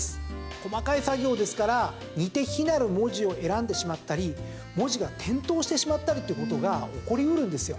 細かい作業ですから似て非なる文字を選んでしまったり文字が転倒してしまったりということが起こり得るんですよ。